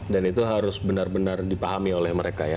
dan itu harus benar benar dipahami oleh mereka ya